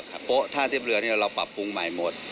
ท่าเทียบเรือเนี่ยเราปรับปรุงใหม่หมด